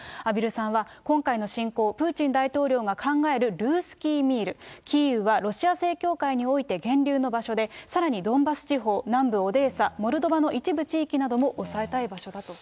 畔蒜さんは今回の侵攻、プーチン大統領が考えるルースキー・ミール、キーウはロシア正教会において源流の場所で、さらにドンバス地方、南部オデーサ、モルドバの一部地域なども抑えたい場所だと。